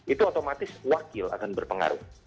itu otomatis wakil akan berpengaruh